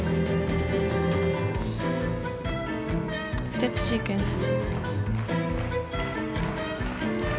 ステップシークエンス。